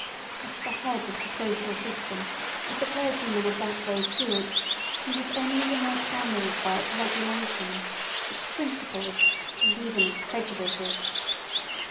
At the head of the social system, as the clergymen of that day stood, he was only the more trammelled by its regulations, its principles, and even its prejudices.